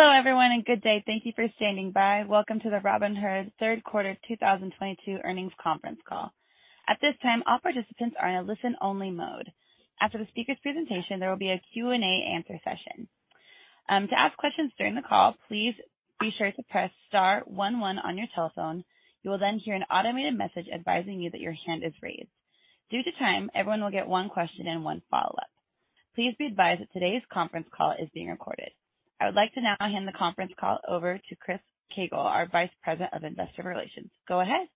Hello everyone, and good day. Thank you for standing by. Welcome to the Robinhood third quarter 2022 earnings conference call. At this time, all participants are in a listen-only mode. After the speaker's presentation, there will be a Q&A answer session. To ask questions during the call, please be sure to press star one one on your telephone. You will then hear an automated message advising you that your hand is raised. Due to time, everyone will get one question and one follow-up. Please be advised that today's conference call is being recorded. I would like to now hand the conference call over to Chris Koegel, our Vice President of Investor Relations. Go ahead.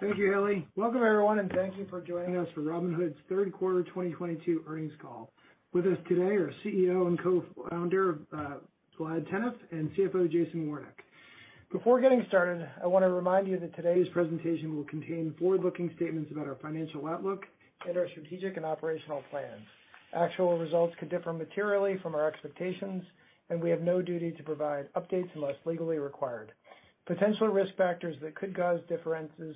Thank you, Ellie. Welcome everyone, and thank you for joining us for Robinhood's third quarter 2022 earnings call. With us today are CEO and Co-Founder Vlad Tenev and CFO Jason Warnick. Before getting started, I wanna remind you that today's presentation will contain forward-looking statements about our financial outlook and our strategic and operational plans. Actual results could differ materially from our expectations, and we have no duty to provide updates unless legally required. Potential risk factors that could cause differences,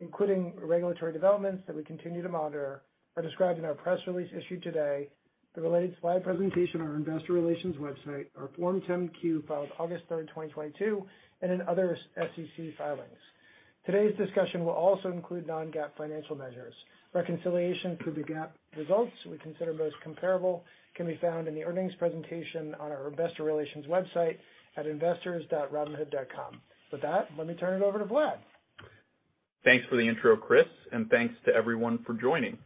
including regulatory developments that we continue to monitor, are described in our press release issued today, the related slide presentation on our investor relations website, our Form 10-Q filed August 3rd, 2022, and in other SEC filings. Today's discussion will also include non-GAAP financial measures. Reconciliation to the GAAP results we consider most comparable can be found in the earnings presentation on our investor relations website at investors.robinhood.com. With that, let me turn it over to Vlad. Thanks for the intro, Chris, and thanks to everyone for joining.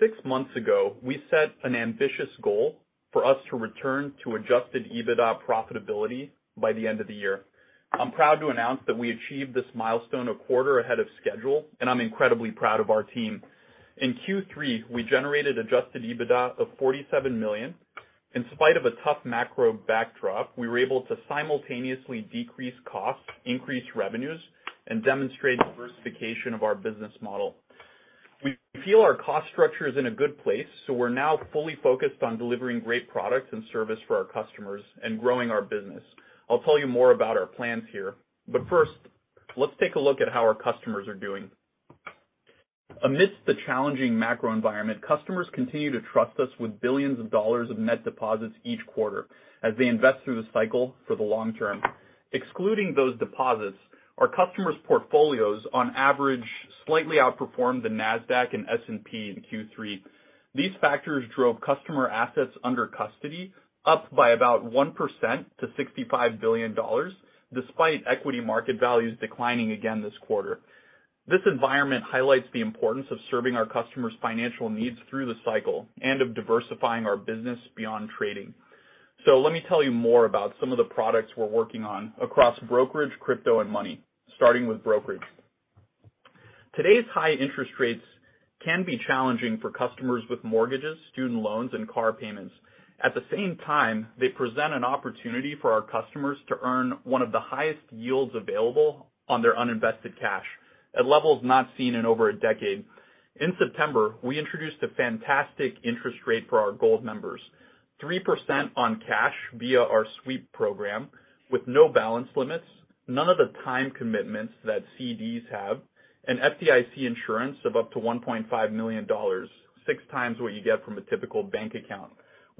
Six months ago, we set an ambitious goal for us to return to adjusted EBITDA profitability by the end of the year. I'm proud to announce that we achieved this milestone a quarter ahead of schedule, and I'm incredibly proud of our team. In Q3, we generated adjusted EBITDA of $47 million. In spite of a tough macro backdrop, we were able to simultaneously decrease costs, increase revenues, and demonstrate diversification of our business model. We feel our cost structure is in a good place, so we're now fully focused on delivering great products and service for our customers and growing our business. I'll tell you more about our plans here, but first, let's take a look at how our customers are doing. Amidst the challenging macro environment, customers continue to trust us with billions of dollars of net deposits each quarter as they invest through the cycle for the long term. Excluding those deposits, our customers' portfolios on average slightly outperformed the Nasdaq and S&P in Q3. These factors drove customer assets under custody up by about 1% to $65 billion, despite equity market values declining again this quarter. This environment highlights the importance of serving our customers' financial needs through the cycle and of diversifying our business beyond trading. Let me tell you more about some of the products we're working on across brokerage, crypto, and money, starting with brokerage. Today's high interest rates can be challenging for customers with mortgages, student loans, and car payments. At the same time, they present an opportunity for our customers to earn one of the highest yields available on their uninvested cash at levels not seen in over a decade. In September, we introduced a fantastic interest rate for our Gold members, 3% on cash via our sweep program with no balance limits, none of the time commitments that CDs have, and FDIC insurance of up to $1.5 million, 6x what you get from a typical bank account.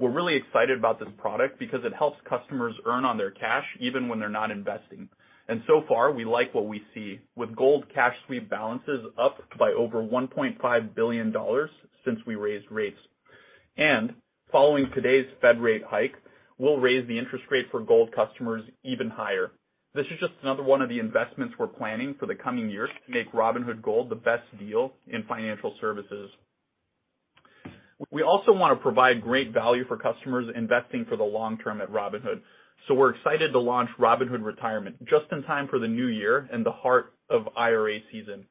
We're really excited about this product because it helps customers earn on their cash even when they're not investing. So far, we like what we see with Gold cash sweep balances up by over $1.5 billion since we raised rates. Following today's Fed rate hike, we'll raise the interest rate for Gold customers even higher. This is just another one of the investments we're planning for the coming year to make Robinhood Gold the best deal in financial services. We also wanna provide great value for customers investing for the long term at Robinhood, so we're excited to launch Robinhood Retirement just in time for the new year in the heart of IRA season.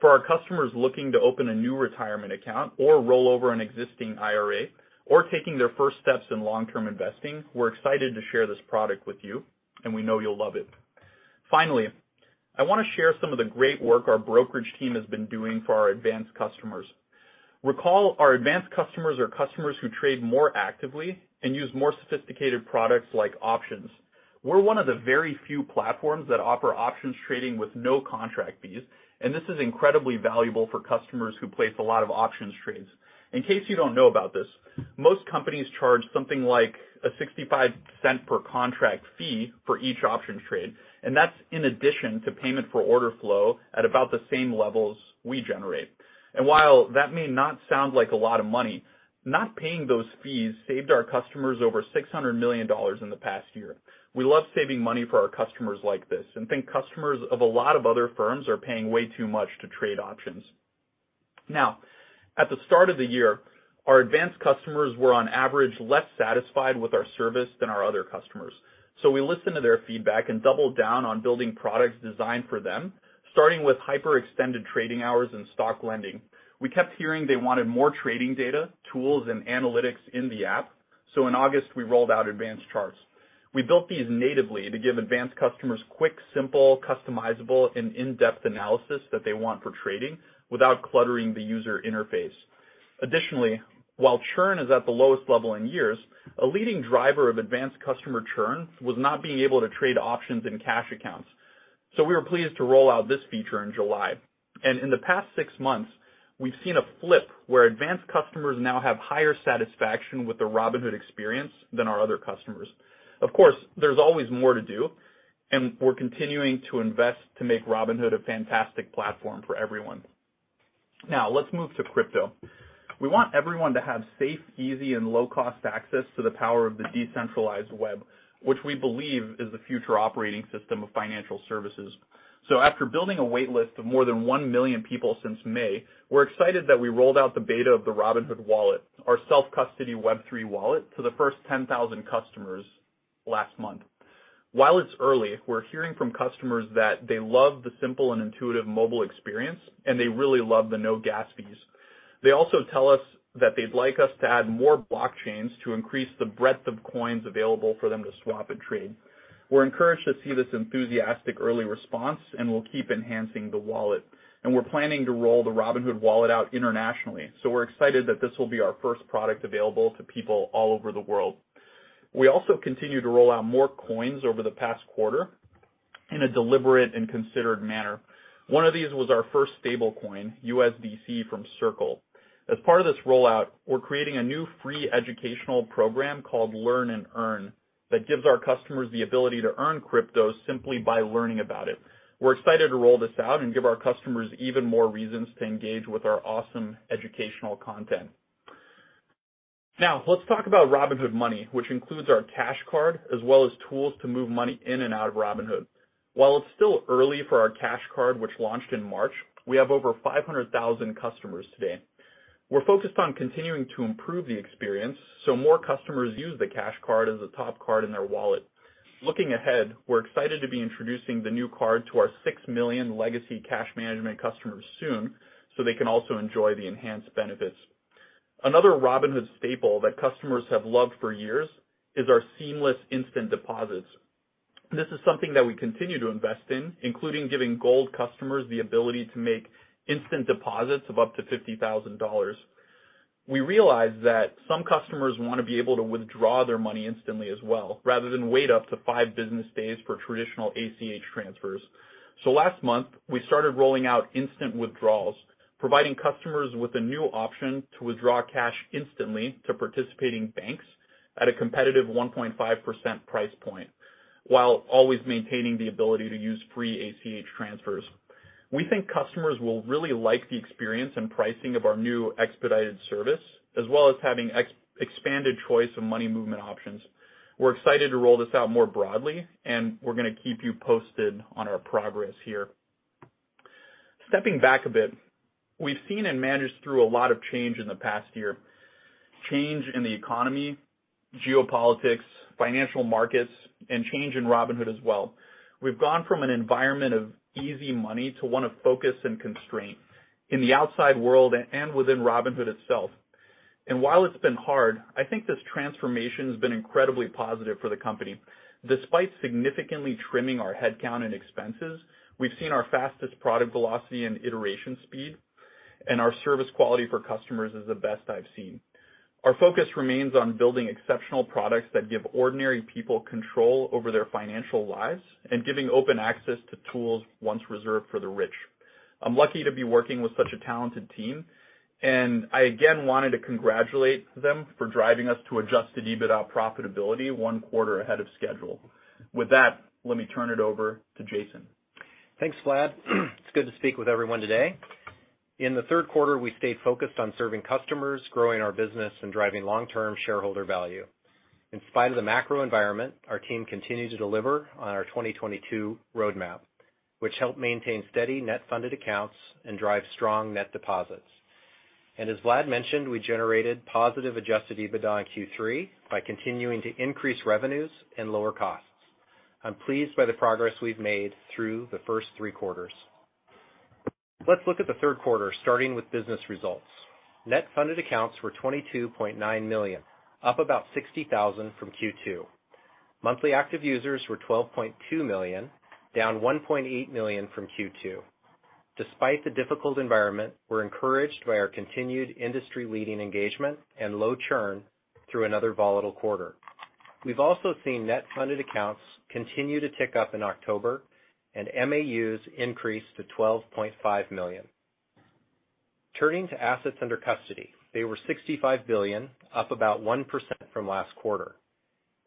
For our customers looking to open a new retirement account or roll over an existing IRA or taking their first steps in long-term investing, we're excited to share this product with you, and we know you'll love it. Finally, I wanna share some of the great work our brokerage team has been doing for our advanced customers. Recall our advanced customers are customers who trade more actively and use more sophisticated products like options. We're one of the very few platforms that offer options trading with no contract fees, and this is incredibly valuable for customers who place a lot of options trades. In case you don't know about this, most companies charge something like a $0.65 per contract fee for each option trade, and that's in addition to payment for order flow at about the same levels we generate. While that may not sound like a lot of money, not paying those fees saved our customers over $600 million in the past year. We love saving money for our customers like this and think customers of a lot of other firms are paying way too much to trade options. Now, at the start of the year, our advanced customers were on average less satisfied with our service than our other customers. We listened to their feedback and doubled down on building products designed for them, starting with hyper-extended trading hours and stock lending. We kept hearing they wanted more trading data, tools, and analytics in the app, so in August, we rolled out advanced charts. We built these natively to give advanced customers quick, simple, customizable, and in-depth analysis that they want for trading without cluttering the user interface. Additionally, while churn is at the lowest level in years, a leading driver of advanced customer churn was not being able to trade options in cash accounts. We were pleased to roll out this feature in July. In the past six months, we've seen a flip where advanced customers now have higher satisfaction with the Robinhood experience than our other customers. Of course, there's always more to do, and we're continuing to invest to make Robinhood a fantastic platform for everyone. Now, let's move to crypto. We want everyone to have safe, easy, and low-cost access to the power of the decentralized web, which we believe is the future operating system of financial services. After building a wait list of more than 1 million people since May, we're excited that we rolled out the beta of the Robinhood Wallet, our self-custody Web3 wallet, to the first 10,000 customers last month. While it's early, we're hearing from customers that they love the simple and intuitive mobile experience, and they really love the no gas fees. They also tell us that they'd like us to add more blockchains to increase the breadth of coins available for them to swap and trade. We're encouraged to see this enthusiastic early response, and we'll keep enhancing the wallet. We're planning to roll the Robinhood Wallet out internationally, so we're excited that this will be our first product available to people all over the world. We also continue to roll out more coins over the past quarter in a deliberate and considered manner. One of these was our first stablecoin, USDC from Circle. As part of this rollout, we're creating a new free educational program called Learn and Earn that gives our customers the ability to earn crypto simply by learning about it. We're excited to roll this out and give our customers even more reasons to engage with our awesome educational content. Now, let's talk about Robinhood Money, which includes our Cash Card, as well as tools to move money in and out of Robinhood. While it's still early for our Cash Card, which launched in March, we have over 500,000 customers today. We're focused on continuing to improve the experience so more customers use the Cash Card as a top card in their wallet. Looking ahead, we're excited to be introducing the new card to our 6 million legacy cash management customers soon, so they can also enjoy the enhanced benefits. Another Robinhood staple that customers have loved for years is our seamless instant deposits. This is something that we continue to invest in, including giving Gold customers the ability to make instant deposits of up to $50,000. We realize that some customers wanna be able to withdraw their money instantly as well, rather than wait up to five business days for traditional ACH transfers. Last month, we started rolling out instant withdrawals, providing customers with a new option to withdraw cash instantly to participating banks at a competitive 1.5% price point, while always maintaining the ability to use free ACH transfers. We think customers will really like the experience and pricing of our new expedited service, as well as having expanded choice of money movement options. We're excited to roll this out more broadly, and we're gonna keep you posted on our progress here. Stepping back a bit, we've seen and managed through a lot of change in the past year, change in the economy, geopolitics, financial markets, and change in Robinhood as well. We've gone from an environment of easy money to one of focus and constraint in the outside world and within Robinhood itself. While it's been hard, I think this transformation has been incredibly positive for the company. Despite significantly trimming our headcount and expenses, we've seen our fastest product velocity and iteration speed, and our service quality for customers is the best I've seen. Our focus remains on building exceptional products that give ordinary people control over their financial lives and giving open access to tools once reserved for the rich. I'm lucky to be working with such a talented team, and I again wanted to congratulate them for driving us to adjusted EBITDA profitability one quarter ahead of schedule. With that, let me turn it over to Jason. Thanks, Vlad. It's good to speak with everyone today. In the third quarter, we stayed focused on serving customers, growing our business, and driving long-term shareholder value. In spite of the macro environment, our team continued to deliver on our 2022 roadmap, which helped maintain steady net funded accounts and drive strong net deposits. As Vlad mentioned, we generated positive adjusted EBITDA in Q3 by continuing to increase revenues and lower costs. I'm pleased by the progress we've made through the first three quarters. Let's look at the third quarter, starting with business results. Net funded accounts were 22.9 million, up about 60,000 from Q2. Monthly active users were 12.2 million, down 1.8 million from Q2. Despite the difficult environment, we're encouraged by our continued industry-leading engagement and low churn through another volatile quarter. We've also seen net funded accounts continue to tick up in October, and MAUs increase to 12.5 million. Turning to assets under custody, they were $65 billion, up about 1% from last quarter.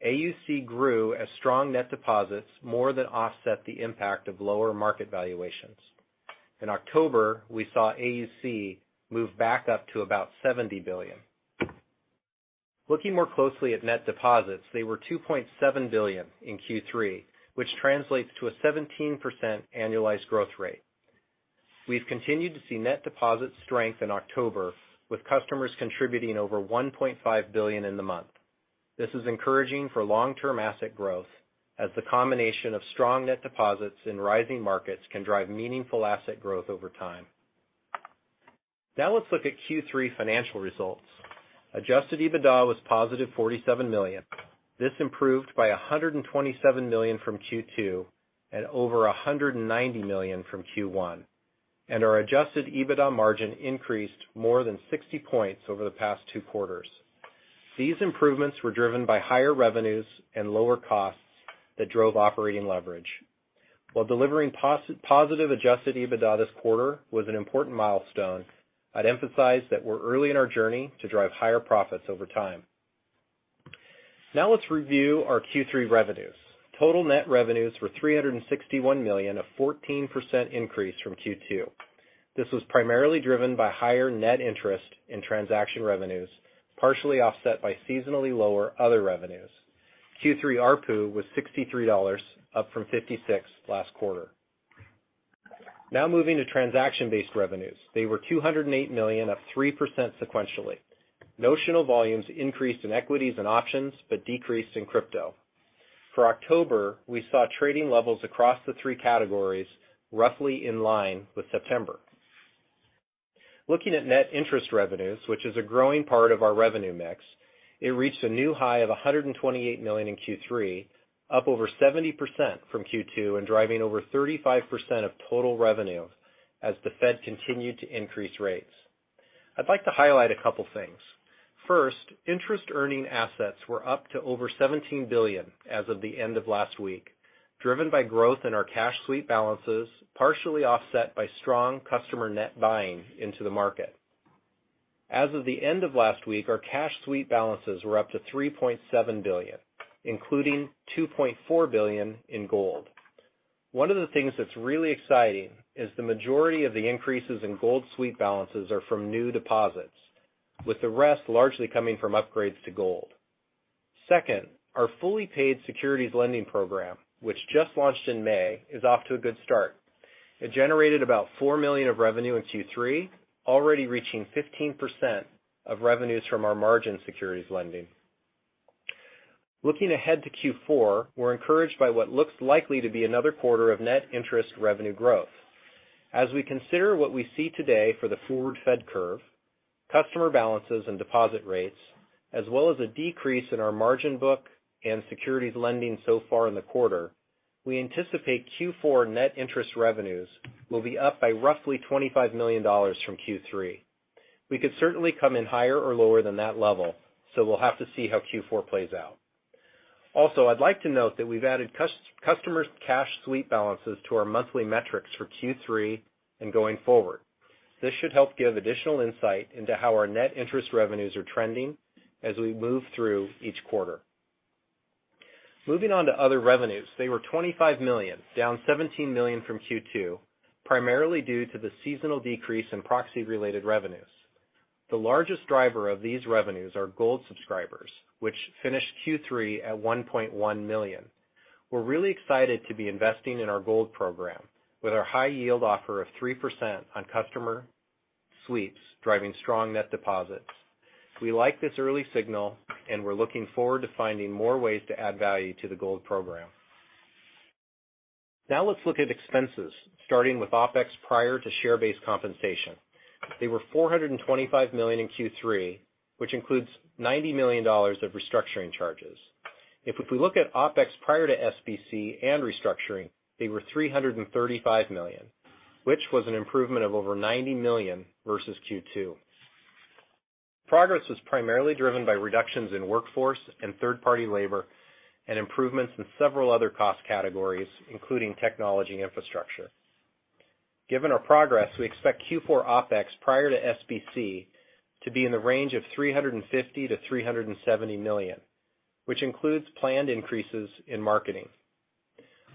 AUC grew as strong net deposits more than offset the impact of lower market valuations. In October, we saw AUC move back up to about $70 billion. Looking more closely at net deposits, they were $2.7 billion in Q3, which translates to a 17% annualized growth rate. We've continued to see net deposit strength in October, with customers contributing over $1.5 billion in the month. This is encouraging for long-term asset growth, as the combination of strong net deposits in rising markets can drive meaningful asset growth over time. Now, let's look at Q3 financial results. Adjusted EBITDA was +$47 million. This improved by $127 million from Q2 and over $190 million from Q1. Our adjusted EBITDA margin increased more than 60 points over the past two quarters. These improvements were driven by higher revenues and lower costs that drove operating leverage. While delivering positive adjusted EBITDA this quarter was an important milestone, I'd emphasize that we're early in our journey to drive higher profits over time. Now let's review our Q3 revenues. Total net revenues were $361 million, a 14% increase from Q2. This was primarily driven by higher net interest and transaction revenues, partially offset by seasonally lower other revenues. Q3 ARPU was $63, up from $56 last quarter. Now moving to transaction-based revenues. They were $208 million, up 3% sequentially. Notional volumes increased in equities and options, but decreased in crypto. For October, we saw trading levels across the three categories roughly in line with September. Looking at net interest revenues, which is a growing part of our revenue mix, it reached a new high of $128 million in Q3, up over 70% from Q2 and driving over 35% of total revenue as the Fed continued to increase rates. I'd like to highlight a couple things. First, interest-earning assets were up to over $17 billion as of the end of last week, driven by growth in our cash sweep balances, partially offset by strong customer net buying into the market. As of the end of last week, our cash sweep balances were up to $3.7 billion, including $2.4 billion in gold. One of the things that's really exciting is the majority of the increases in gold sweep balances are from new deposits, with the rest largely coming from upgrades to Gold. Second, our fully paid securities lending program, which just launched in May, is off to a good start. It generated about $4 million of revenue in Q3, already reaching 15% of revenues from our margin securities lending. Looking ahead to Q4, we're encouraged by what looks likely to be another quarter of net interest revenue growth. As we consider what we see today for the forward Fed curve, customer balances and deposit rates, as well as a decrease in our margin book and securities lending so far in the quarter, we anticipate Q4 net interest revenues will be up by roughly $25 million from Q3. We could certainly come in higher or lower than that level, so we'll have to see how Q4 plays out. Also, I'd like to note that we've added customer's cash sweep balances to our monthly metrics for Q3 and going forward. This should help give additional insight into how our net interest revenues are trending as we move through each quarter. Moving on to other revenues, they were $25 million, down $17 million from Q2, primarily due to the seasonal decrease in proxy-related revenues. The largest driver of these revenues are Gold subscribers, which finished Q3 at $1.1 million. We're really excited to be investing in our Gold program with our high-yield offer of 3% on customer sweeps driving strong net deposits. We like this early signal, and we're looking forward to finding more ways to add value to the Gold program. Now let's look at expenses, starting with OpEx prior to share-based compensation. They were $425 million in Q3, which includes $90 million of restructuring charges. If we look at OpEx prior to SBC and restructuring, they were $335 million, which was an improvement of over $90 million versus Q2. Progress was primarily driven by reductions in workforce and third-party labor and improvements in several other cost categories, including technology infrastructure. Given our progress, we expect Q4 OpEx prior to SBC to be in the range of $350 million-$370 million, which includes planned increases in marketing.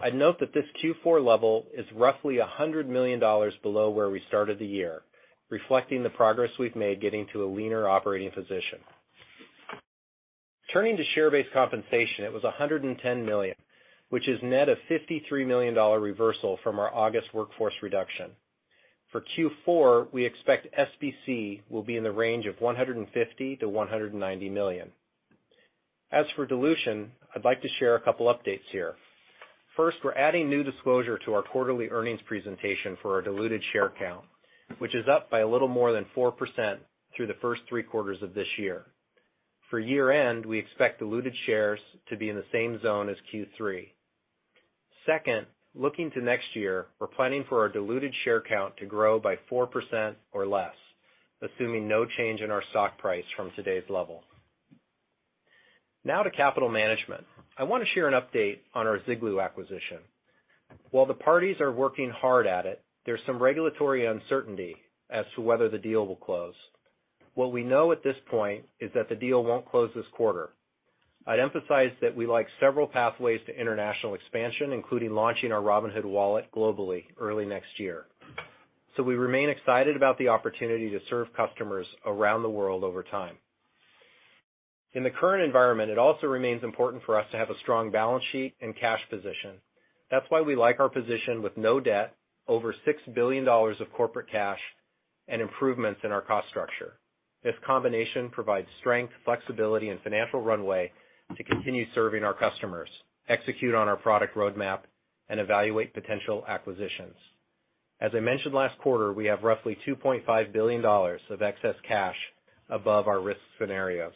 I'd note that this Q4 level is roughly $100 million below where we started the year, reflecting the progress we've made getting to a leaner operating position. Turning to share-based compensation, it was $110 million, which is net of $53 million dollar reversal from our August workforce reduction. For Q4, we expect SBC will be in the range of $150 million-$190 million. As for dilution, I'd like to share a couple updates here. First, we're adding new disclosure to our quarterly earnings presentation for our diluted share count, which is up by a little more than 4% through the first three quarters of this year. For year-end, we expect diluted shares to be in the same zone as Q3. Second, looking to next year, we're planning for our diluted share count to grow by 4% or less, assuming no change in our stock price from today's level. Now to capital management. I want to share an update on our Ziglu acquisition. While the parties are working hard at it, there's some regulatory uncertainty as to whether the deal will close. What we know at this point is that the deal won't close this quarter. I'd emphasize that we like several pathways to international expansion, including launching our Robinhood Wallet globally early next year. We remain excited about the opportunity to serve customers around the world over time. In the current environment, it also remains important for us to have a strong balance sheet and cash position. That's why we like our position with no debt, over $6 billion of corporate cash, and improvements in our cost structure. This combination provides strength, flexibility, and financial runway to continue serving our customers, execute on our product roadmap, and evaluate potential acquisitions. As I mentioned last quarter, we have roughly $2.5 billion of excess cash above our risk scenarios.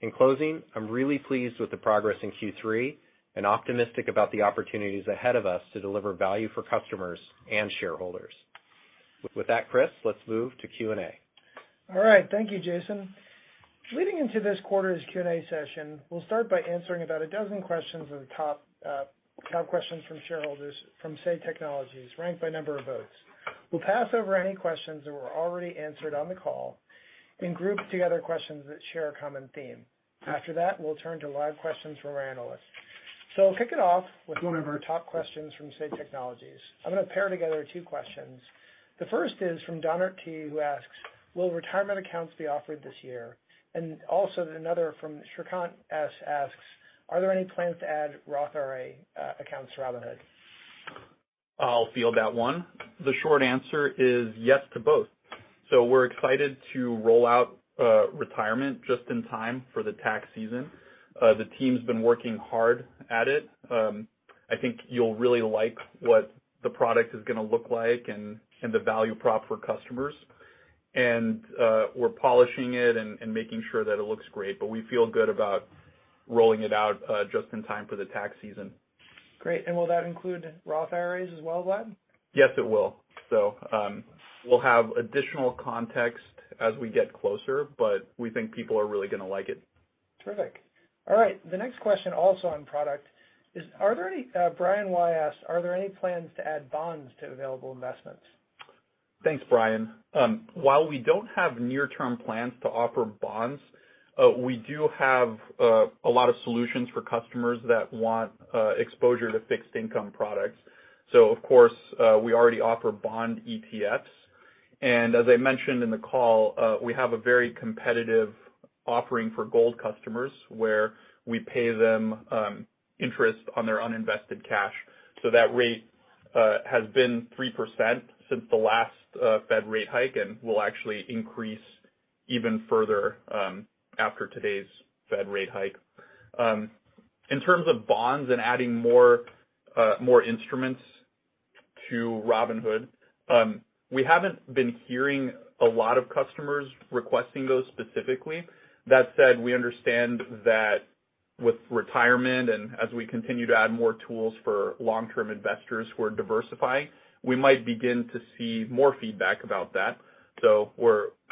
In closing, I'm really pleased with the progress in Q3 and optimistic about the opportunities ahead of us to deliver value for customers and shareholders. With that, Chris, let's move to Q&A. All right. Thank you, Jason. Leading into this quarter's Q&A session, we'll start by answering about a dozen questions of the top questions from shareholders from Say Technologies, ranked by number of votes. We'll pass over any questions that were already answered on the call and group together questions that share a common theme. After that, we'll turn to live questions from our analysts. Kicking off with one of our top questions from Say Technologies. I'm gonna pair together two questions. The first is from Don Arti, who asks, "Will retirement accounts be offered this year?" And also another from Srikant S asks, "Are there any plans to add Roth IRA, accounts to Robinhood? I'll field that one. The short answer is yes to both. We're excited to roll out retirement just in time for the tax season. The team's been working hard at it. I think you'll really like what the product is gonna look like and the value prop for customers. We're polishing it and making sure that it looks great, but we feel good about rolling it out just in time for the tax season. Great. Will that include Roth IRAs as well, Vlad? Yes, it will. We'll have additional context as we get closer, but we think people are really gonna like it. Terrific. All right. The next question, also on product, is Brian Y asks, "Are there any plans to add bonds to available investments? Thanks, Brian. While we don't have near-term plans to offer bonds, we do have a lot of solutions for customers that want exposure to fixed income products. Of course, we already offer bond ETFs. As I mentioned in the call, we have a very competitive offering for Gold customers, where we pay them interest on their uninvested cash. That rate has been 3% since the last Fed rate hike and will actually increase even further after today's Fed rate hike. In terms of bonds and adding more instruments to Robinhood, we haven't been hearing a lot of customers requesting those specifically. That said, we understand that with retirement and as we continue to add more tools for long-term investors who are diversifying, we might begin to see more feedback about that.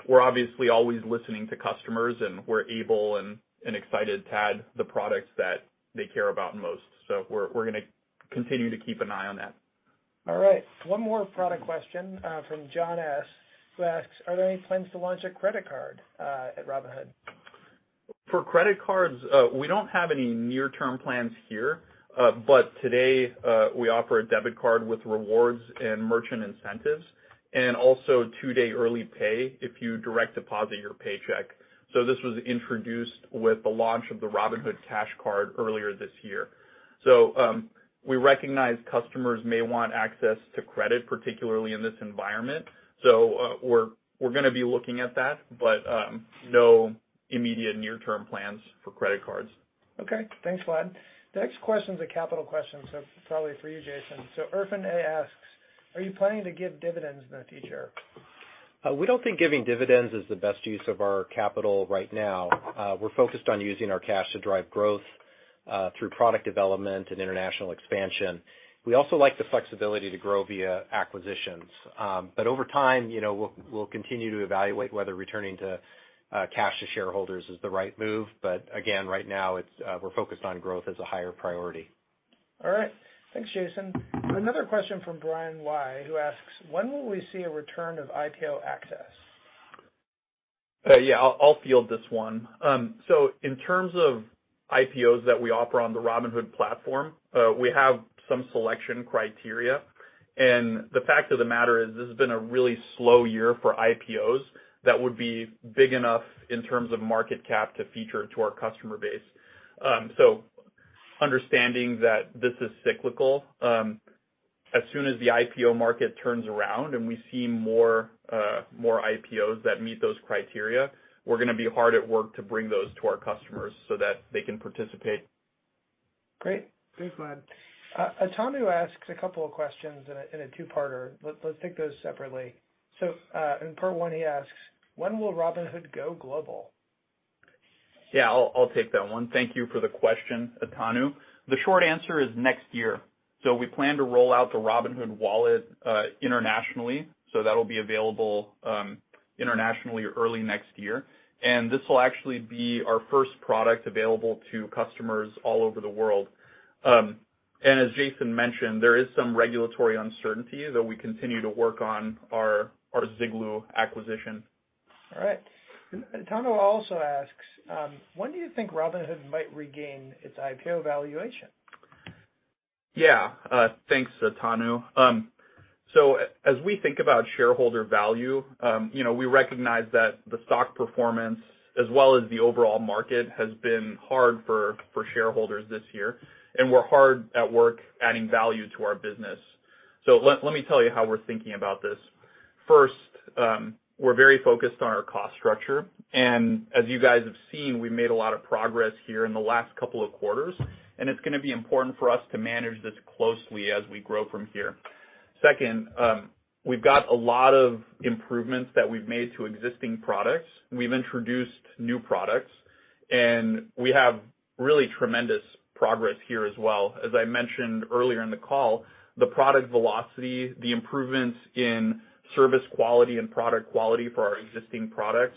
We're obviously always listening to customers, and we're able and excited to add the products that they care about most. We're gonna continue to keep an eye on that. All right. One more product question from John S, who asks, "Are there any plans to launch a credit card at Robinhood? For credit cards, we don't have any near-term plans here, but today, we offer a debit card with rewards and merchant incentives, and also two-day early pay if you direct deposit your paycheck. This was introduced with the launch of the Robinhood Cash Card earlier this year. We recognize customers may want access to credit, particularly in this environment, so, we're gonna be looking at that, but, no immediate near-term plans for credit cards. Okay. Thanks, Vlad. The next question's a capital question, so probably for you, Jason. Irfan A asks, "Are you planning to give dividends in the future? We don't think giving dividends is the best use of our capital right now. We're focused on using our cash to drive growth through product development and international expansion. We also like the flexibility to grow via acquisitions. Over time, you know, we'll continue to evaluate whether returning to cash to shareholders is the right move. Again, right now, it's, we're focused on growth as a higher priority. All right. Thanks, Jason. Another question from Brian Y., who asks, "When will we see a return of IPO access? Yeah, I'll field this one. So in terms of IPOs that we offer on the Robinhood platform, we have some selection criteria. The fact of the matter is this has been a really slow year for IPOs that would be big enough in terms of market cap to feature to our customer base. Understanding that this is cyclical, as soon as the IPO market turns around and we see more IPOs that meet those criteria, we're gonna be hard at work to bring those to our customers so that they can participate. Great. Thanks, Vlad. Atanu asks a couple of questions in a two-parter. Let's take those separately. So, in part one he asks, "When will Robinhood go global? Yeah, I'll take that one. Thank you for the question, Atanu. The short answer is next year. We plan to roll out the Robinhood Wallet internationally, so that'll be available internationally early next year. This will actually be our first product available to customers all over the world. As Jason mentioned, there is some regulatory uncertainty, though we continue to work on our Ziglu acquisition. All right. Atanu also asks, "When do you think Robinhood might regain its IPO valuation? Yeah. Thanks, Atanu. As we think about shareholder value, you know, we recognize that the stock performance, as well as the overall market, has been hard for shareholders this year, and we're hard at work adding value to our business. Let me tell you how we're thinking about this. First, we're very focused on our cost structure, and as you guys have seen, we've made a lot of progress here in the last couple of quarters, and it's gonna be important for us to manage this closely as we grow from here. Second, we've got a lot of improvements that we've made to existing products. We've introduced new products, and we have really tremendous progress here as well. As I mentioned earlier in the call, the product velocity, the improvements in service quality and product quality for our existing products,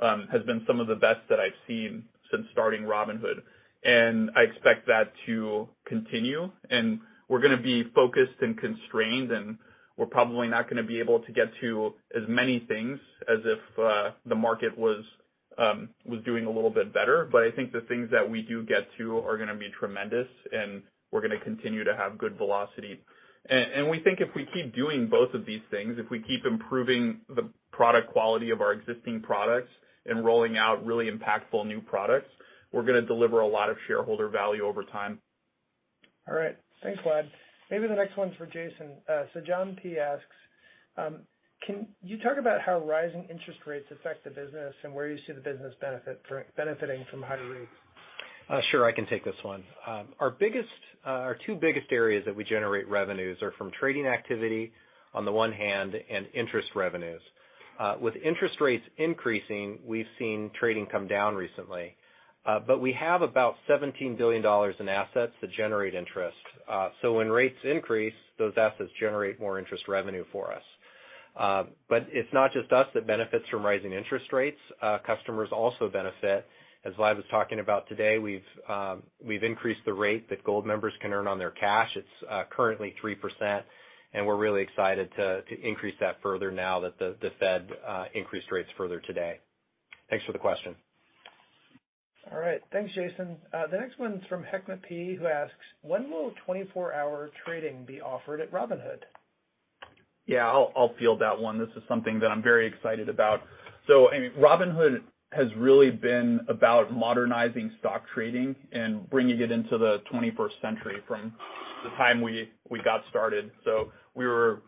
has been some of the best that I've seen since starting Robinhood, and I expect that to continue. We're gonna be focused and constrained, and we're probably not gonna be able to get to as many things as if the market was doing a little bit better. I think the things that we do get to are gonna be tremendous, and we're gonna continue to have good velocity. We think if we keep doing both of these things, if we keep improving the product quality of our existing products and rolling out really impactful new products, we're gonna deliver a lot of shareholder value over time. All right. Thanks, Vlad. Maybe the next one's for Jason. John P. asks, "Can you talk about how rising interest rates affect the business and where you see the business benefiting from higher rates? Sure. I can take this one. Our two biggest areas that we generate revenues are from trading activity on the one hand and interest revenues. With interest rates increasing, we've seen trading come down recently. We have about $17 billion in assets that generate interest. When rates increase, those assets generate more interest revenue for us. It's not just us that benefits from rising interest rates, customers also benefit. As Vlad was talking about today, we've increased the rate that Gold members can earn on their cash. It's currently 3%, and we're really excited to increase that further now that the Fed increased rates further today. Thanks for the question. All right. Thanks, Jason. The next one's from Hekmat P., who asks, "When will 24-hour trading be offered at Robinhood? Yeah. I'll field that one. This is something that I'm very excited about. I mean, Robinhood has really been about modernizing stock trading and bringing it into the 21st century from the time we got started. We were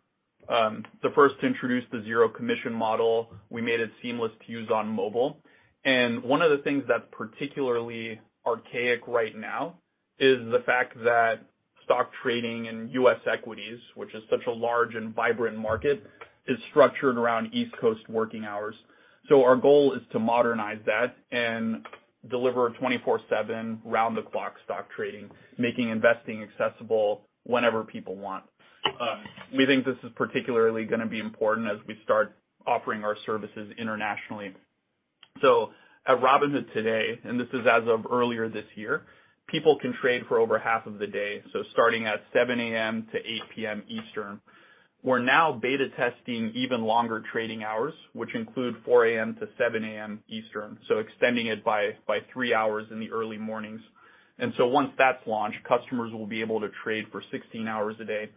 the first to introduce the zero commission model. We made it seamless to use on mobile. One of the things that's particularly archaic right now is the fact that stock trading in U.S. equities, which is such a large and vibrant market, is structured around East Coast working hours. Our goal is to modernize that and deliver 24/7 round-the-clock stock trading, making investing accessible whenever people want. We think this is particularly gonna be important as we start offering our services internationally. At Robinhood today, and this is as of earlier this year, people can trade for over half of the day, so starting at 7:00 A.M. to 8:00 P.M. Eastern. We're now beta testing even longer trading hours, which include 4:00 A.M. to 7:00 A.M. Eastern, so extending it by three hours in the early mornings. Once that's launched, customers will be able to trade for 16 hours a day.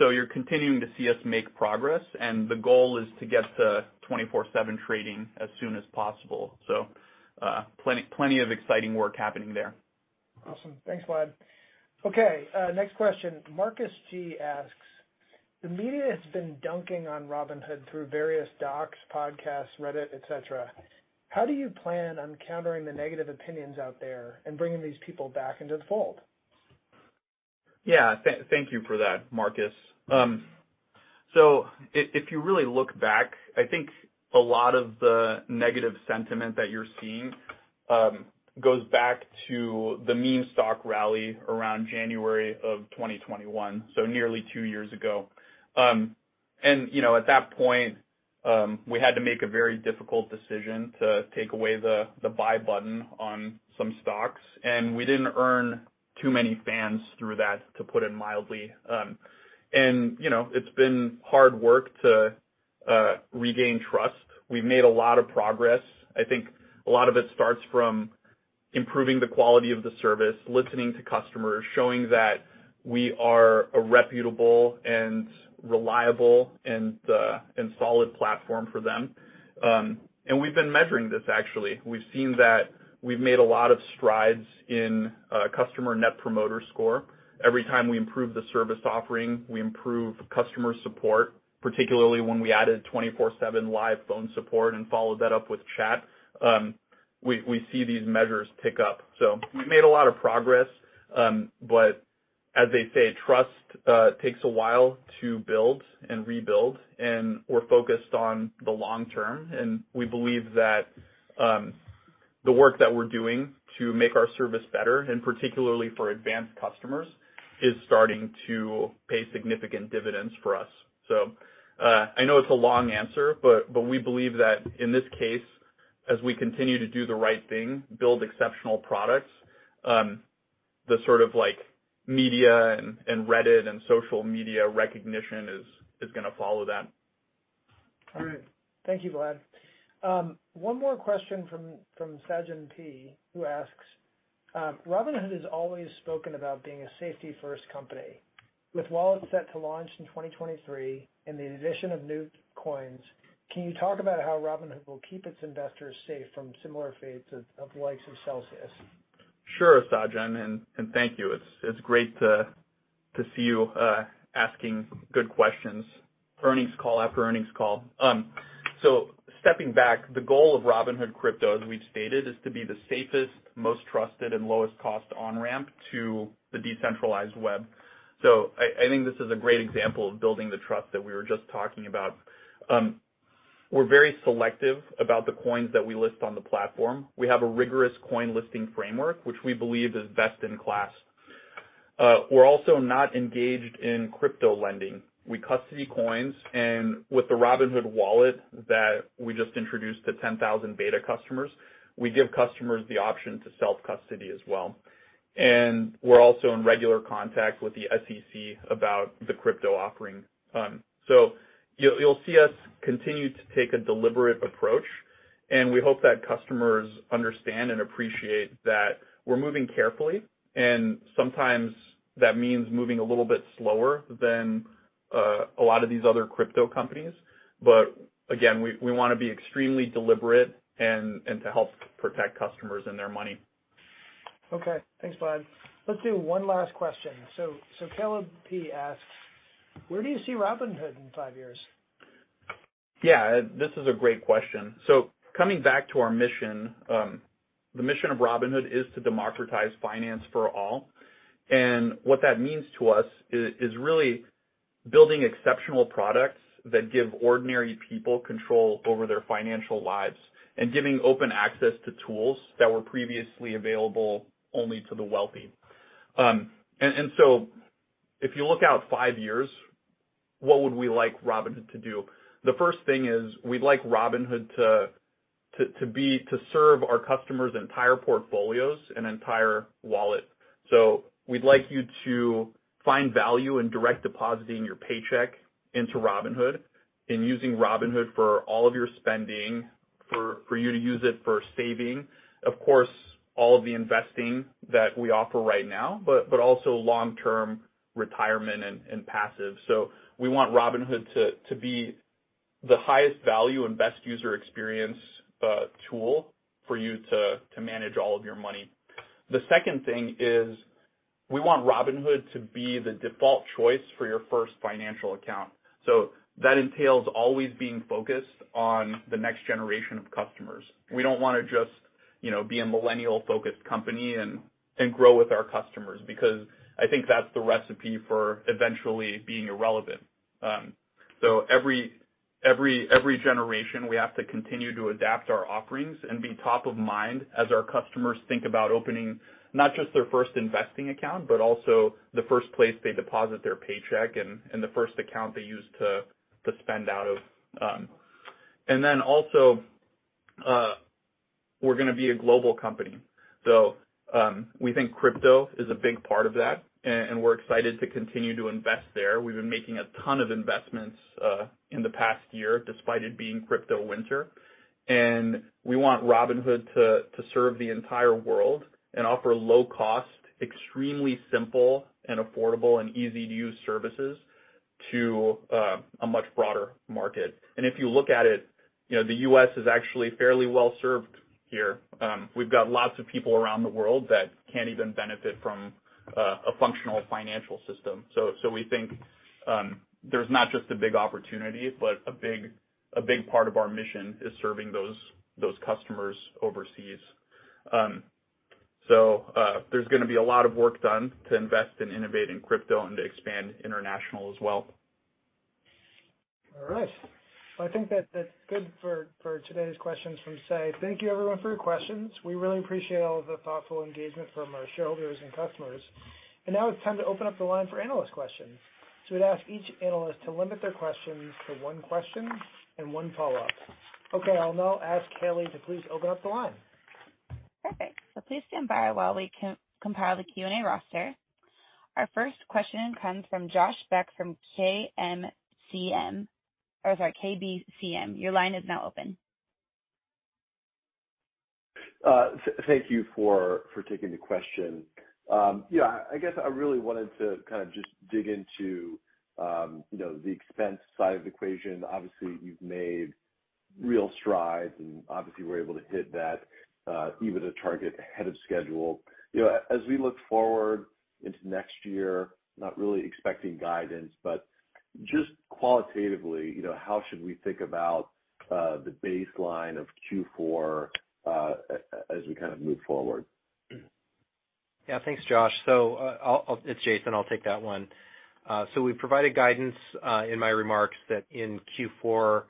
You're continuing to see us make progress, and the goal is to get to 24/7 trading as soon as possible. Plenty of exciting work happening there. Awesome. Thanks, Vlad. Okay, next question. Marcus G. asks, "The media has been dunking on Robinhood through various docs, podcasts, Reddit, et cetera. How do you plan on countering the negative opinions out there and bringing these people back into the fold? Yeah. Thank you for that, Marcus. If you really look back, I think a lot of the negative sentiment that you're seeing goes back to the meme stock rally around January of 2021, so nearly two years ago. You know, at that point, we had to make a very difficult decision to take away the buy button on some stocks, and we didn't earn too many fans through that, to put it mildly. You know, it's been hard work to regain trust. We've made a lot of progress. I think a lot of it starts from improving the quality of the service, listening to customers, showing that we are a reputable and reliable and solid platform for them. We've been measuring this actually. We've seen that we've made a lot of strides in customer Net Promoter Score. Every time we improve the service offering, we improve customer support, particularly when we added 24/7 live phone support and followed that up with chat, we see these measures tick up. We've made a lot of progress, but as they say, trust takes a while to build and rebuild, and we're focused on the long term. We believe that the work that we're doing to make our service better, and particularly for advanced customers, is starting to pay significant dividends for us. I know it's a long answer, but we believe that in this case, as we continue to do the right thing, build exceptional products, the sort of like media and Reddit and social media recognition is gonna follow that. All right. Thank you, Vlad. One more question from Sajen P., who asks, "Robinhood has always spoken about being a safety-first company. With wallets set to launch in 2023 and the addition of new coins, can you talk about how Robinhood will keep its investors safe from similar fates of the likes of Celsius? Sure, Sajen, and thank you. It's great to see you asking good questions earnings call after earnings call. Stepping back, the goal of Robinhood Crypto, as we've stated, is to be the safest, most trusted, and lowest cost on-ramp to the decentralized web. I think this is a great example of building the trust that we were just talking about. We're very selective about the coins that we list on the platform. We have a rigorous coin listing framework, which we believe is best in class. We're also not engaged in crypto lending. We custody coins, and with the Robinhood Wallet that we just introduced to 10,000 beta customers, we give customers the option to self-custody as well. We're also in regular contact with the SEC about the crypto offering. You'll see us continue to take a deliberate approach, and we hope that customers understand and appreciate that we're moving carefully, and sometimes that means moving a little bit slower than a lot of these other crypto companies. Again, we wanna be extremely deliberate and to help protect customers and their money. Okay. Thanks, Vlad. Let's do one last question. Caleb P. asks, "Where do you see Robinhood in five years? Yeah, this is a great question. Coming back to our mission, the mission of Robinhood is to democratize finance for all. What that means to us is really building exceptional products that give ordinary people control over their financial lives and giving open access to tools that were previously available only to the wealthy. If you look out five years, what would we like Robinhood to do? The first thing is we'd like Robinhood to serve our customers' entire portfolios and entire wallet. We'd like you to find value in direct depositing your paycheck into Robinhood and using Robinhood for all of your spending, for you to use it for saving. Of course, all of the investing that we offer right now, but also long-term retirement and passive. We want Robinhood to be the highest value and best user experience tool for you to manage all of your money. The second thing is we want Robinhood to be the default choice for your first financial account. That entails always being focused on the next generation of customers. We don't wanna just, you know, be a millennial-focused company and grow with our customers because I think that's the recipe for eventually being irrelevant. Every generation, we have to continue to adapt our offerings and be top of mind as our customers think about opening not just their first investing account, but also the first place they deposit their paycheck and the first account they use to spend out of. Then also, we're gonna be a global company. We think crypto is a big part of that, and we're excited to continue to invest there. We've been making a ton of investments in the past year, despite it being crypto winter. We want Robinhood to serve the entire world and offer low cost, extremely simple and affordable and easy-to-use services to a much broader market. If you look at it, you know, the U.S. is actually fairly well served here. We've got lots of people around the world that can't even benefit from a functional financial system. We think there's not just a big opportunity, but a big part of our mission is serving those customers overseas. There's gonna be a lot of work done to invest in innovating crypto and to expand international as well. All right. I think that's good for today's questions from Say. Thank you everyone for your questions. We really appreciate all of the thoughtful engagement from our shareholders and customers. Now it's time to open up the line for analyst questions. We'd ask each analyst to limit their questions to one question and one follow-up. Okay, I'll now ask Halley to please open up the line. Perfect. Please stand by while we compile the Q&A roster. Our first question comes from Josh Beck from KBCM. Your line is now open. Thank you for taking the question. Yeah, I guess I really wanted to kind of just dig into you know, the expense side of the equation. Obviously, you've made real strides, and obviously were able to hit that even a target ahead of schedule. You know, as we look forward into next year, not really expecting guidance, but just qualitatively, you know, how should we think about the baseline of Q4 as we kind of move forward? Yeah. Thanks, Josh. So, it's Jason, I'll take that one. So we provided guidance in my remarks that in Q4,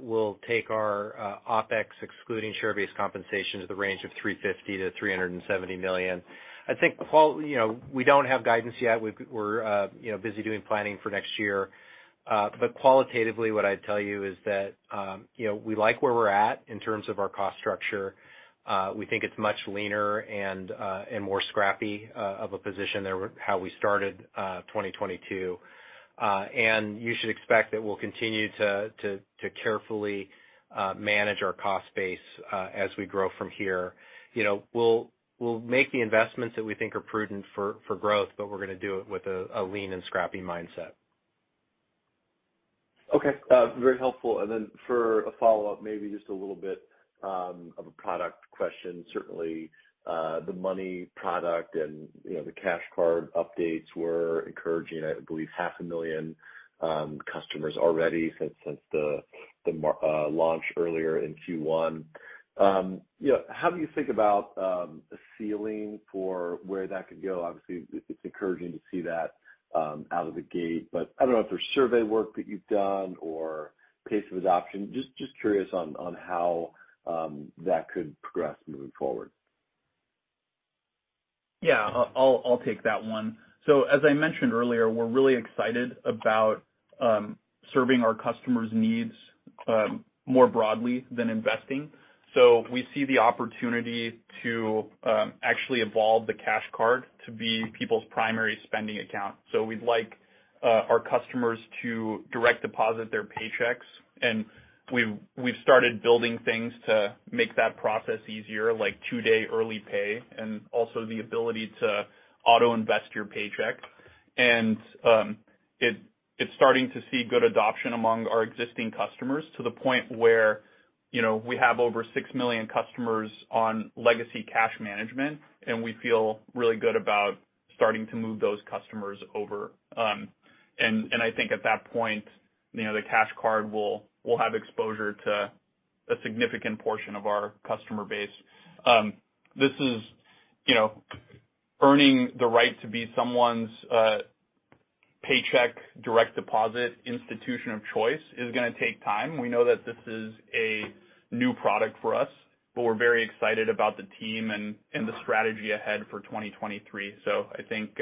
we'll take our OpEx, excluding share-based compensation, to the range of $350 million-$370 million. I think, you know, we don't have guidance yet. We're, you know, busy doing planning for next year. Qualitatively, what I'd tell you is that, you know, we like where we're at in terms of our cost structure. We think it's much leaner and more scrappy of a position than how we started 2022. You should expect that we'll continue to carefully manage our cost base as we grow from here. You know, we'll make the investments that we think are prudent for growth, but we're gonna do it with a lean and scrappy mindset. Okay. Very helpful. Then for a follow-up, maybe just a little bit of a product question. Certainly, the money product and, you know, the cash card updates were encouraging. I believe 500,000 customers already since the launch earlier in Q1. You know, how do you think about a ceiling for where that could go? Obviously, it's encouraging to see that out of the gate, but I don't know if there's survey work that you've done or pace of adoption. Just curious on how that could progress moving forward? Yeah, I'll take that one. As I mentioned earlier, we're really excited about serving our customers' needs more broadly than investing. We see the opportunity to actually evolve the Cash Card to be people's primary spending account. We'd like our customers to direct deposit their paychecks, and we've started building things to make that process easier, like two-day early pay and also the ability to auto-invest your paycheck. It's starting to see good adoption among our existing customers to the point where, you know, we have over 6 million customers on legacy cash management, and we feel really good about starting to move those customers over. I think at that point, you know, the Cash Card will have exposure to a significant portion of our customer base. This is, you know, earning the right to be someone's paycheck direct deposit institution of choice is gonna take time. We know that this is a new product for us, but we're very excited about the team and the strategy ahead for 2023. I think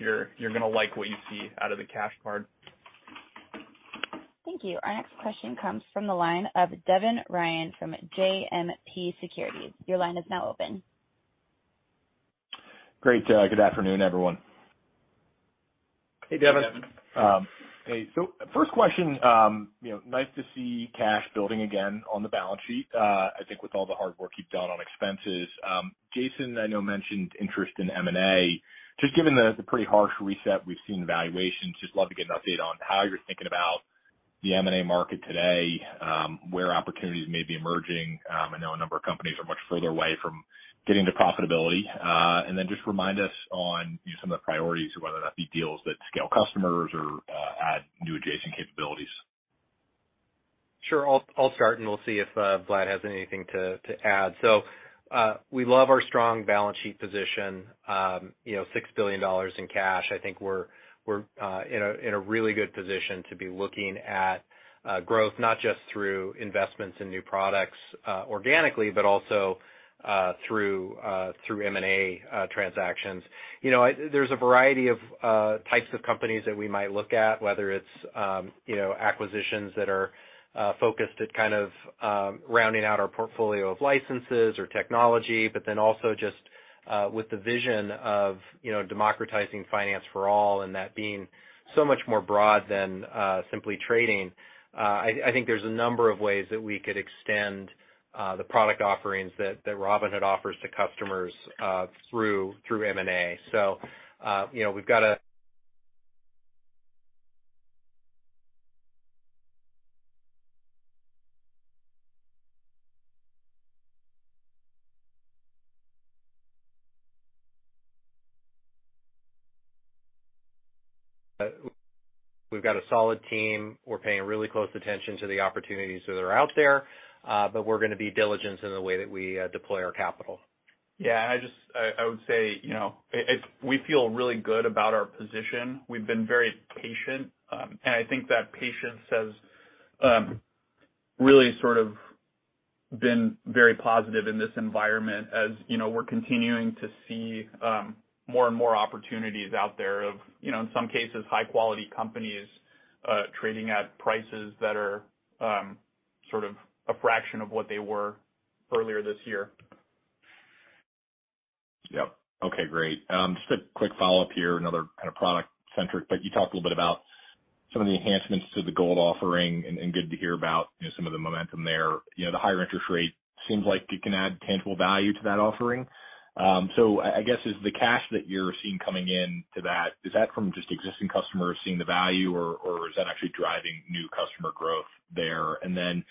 you're gonna like what you see out of the Cash Card. Thank you. Our next question comes from the line of Devin Ryan from JMP Securities. Your line is now open. Great. Good afternoon, everyone. Hey, Devin. Hey. First question, you know, nice to see cash building again on the balance sheet, I think with all the hard work you've done on expenses. Jason, I know, mentioned interest in M&A. Given the pretty harsh reset we've seen in valuations, just love to get an update on how you're thinking about the M&A market today, where opportunities may be emerging. I know a number of companies are much further away from getting to profitability. Then just remind us on some of the priorities, whether that be deals that scale customers or add new adjacent capabilities. Sure. I'll start, and we'll see if Vlad has anything to add. We love our strong balance sheet position, you know, $6 billion in cash. I think we're in a really good position to be looking at growth, not just through investments in new products organically, but also through M&A transactions. You know, there's a variety of types of companies that we might look at, whether it's you know, acquisitions that are focused at kind of rounding out our portfolio of licenses or technology, but then also just with the vision of you know, democratizing finance for all and that being so much more broad than simply trading. I think there's a number of ways that we could extend the product offerings that Robinhood offers to customers through M&A. You know, we've got a solid team. We're paying really close attention to the opportunities that are out there, but we're gonna be diligent in the way that we deploy our capital. Yeah. I would say, you know, we feel really good about our position. We've been very patient, and I think that patience has really sort of been very positive in this environment. As you know, we're continuing to see more and more opportunities out there of, you know, in some cases, high-quality companies trading at prices that are sort of a fraction of what they were earlier this year. Yep. Okay, great. Just a quick follow-up here, another kind of product centric, but you talked a little bit about some of the enhancements to the Gold offering and good to hear about, you know, some of the momentum there. You know, the higher interest rate seems like it can add tangible value to that offering. So I guess is the cash that you're seeing coming in to that, is that from just existing customers seeing the value or is that actually driving new customer growth there? And then,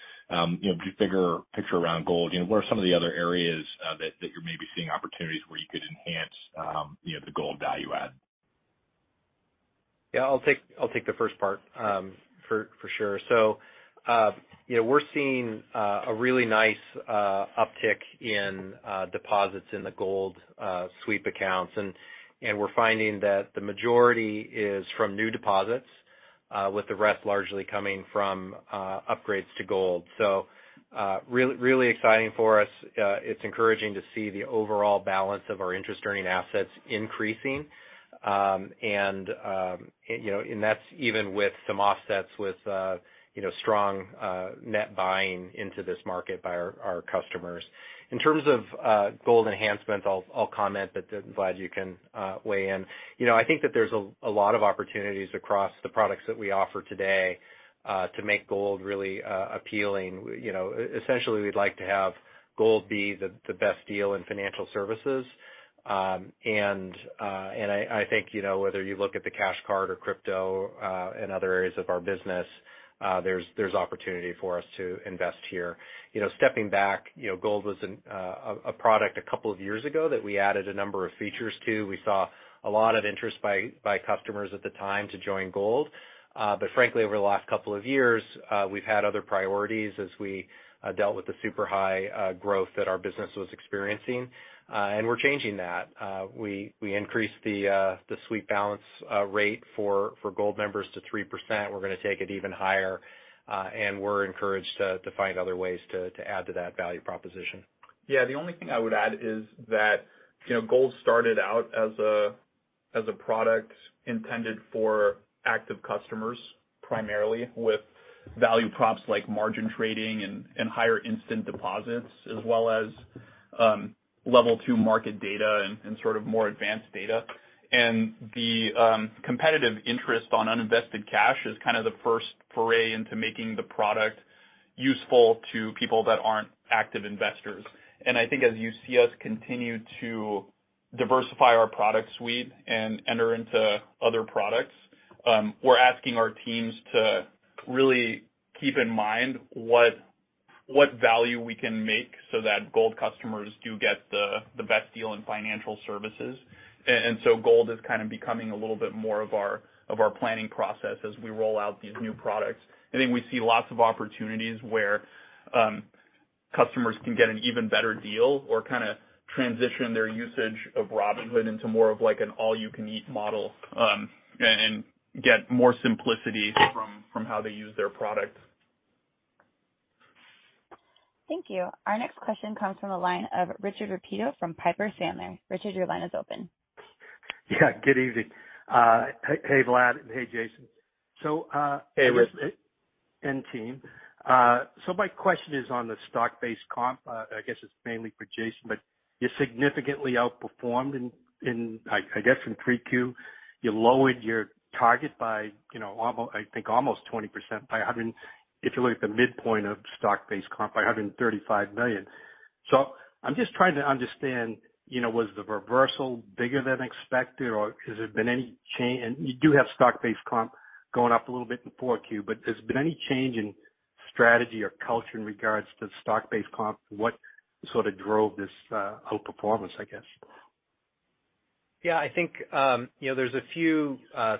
you know, bigger picture around Gold, you know, what are some of the other areas that you're maybe seeing opportunities where you could enhance, you know, the Gold value add? Yeah. I'll take the first part for sure. You know, we're seeing a really nice uptick in deposits in the Gold sweep accounts. We're finding that the majority is from new deposits with the rest largely coming from upgrades to Gold. Really exciting for us. It's encouraging to see the overall balance of our interest-earning assets increasing. You know, that's even with some offsets with strong net buying into this market by our customers. In terms of Gold enhancements, I'll comment, but Vlad, you can weigh in. You know, I think that there's a lot of opportunities across the products that we offer today to make Gold really appealing. You know, essentially, we'd like to have Gold be the best deal in financial services. I think, you know, whether you look at the Cash Card or crypto and other areas of our business, there's opportunity for us to invest here. You know, stepping back, you know, Gold was a product a couple of years ago that we added a number of features to. We saw a lot of interest by customers at the time to join Gold. Frankly, over the last couple of years, we've had other priorities as we dealt with the super high growth that our business was experiencing, and we're changing that. We increased the sweep balance rate for Gold members to 3%. We're gonna take it even higher, and we're encouraged to add to that value proposition. Yeah. The only thing I would add is that, you know, Gold started out as a product intended for active customers, primarily with value props like margin trading and higher instant deposits, as well as level two market data and sort of more advanced data. The competitive interest on uninvested cash is kind of the first foray into making the product useful to people that aren't active investors. I think as you see us continue to diversify our product suite and enter into other products, we're asking our teams to really keep in mind what value we can make so that Gold customers do get the best deal in financial services. Gold is kind of becoming a little bit more of our planning process as we roll out these new products. I think we see lots of opportunities where customers can get an even better deal or kinda transition their usage of Robinhood into more of like an all you can eat model, and get more simplicity from how they use their product. Thank you. Our next question comes from the line of Richard Repetto from Piper Sandler. Richard, your line is open. Yeah, good evening. Hey, Vlad, and hey, Jason. Hey, Rich. And the team. My question is on the stock-based comp. I guess it's mainly for Jason, but you significantly outperformed in I guess in Q3. You lowered your target by, you know, I think almost 20% by $100 million if you look at the midpoint of stock-based comp by $135 million. I'm just trying to understand, you know, was the reversal bigger than expected or has there been any change? You do have stock-based comp going up a little bit in 4Q, but has there been any change in strategy or culture in regards to the stock-based comp? What sort of drove this outperformance, I guess? Yeah, I think, you know, there's a few